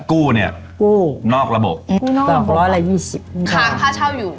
กู้นอกระบบข้างค่าเจ้าอยู่